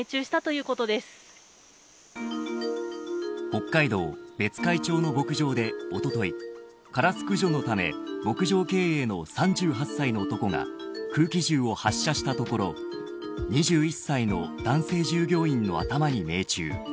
北海道別海町の牧場でおととい、カラス駆除のため牧場経営の３８歳の男が空気銃を発射したところ２１歳の男性従業員の頭に命中。